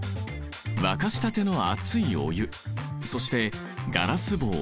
沸かしたての熱いお湯そしてガラス棒